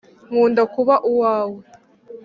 nkunda kuba uwawe